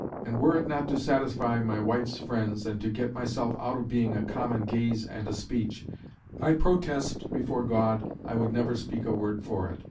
And were it not to satisfy my wife's friends, and to get myself out of being a common gaze and a speech, I protest before God I would never speak word for it.